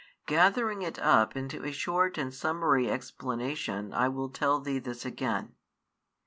Gathering it up into a short and summary explanation I will tell thee this again.